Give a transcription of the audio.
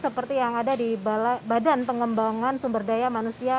seperti yang ada di badan pengembangan sumber daya manusia